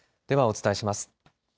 では、お伝えします。